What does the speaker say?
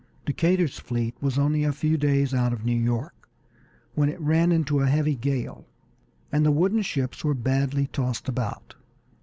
Decatur's fleet was only a few days out of New York when it ran into a heavy gale, and the wooden ships were badly tossed about.